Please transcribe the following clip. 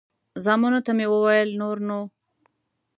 زامنو ته مې وویل نور نو.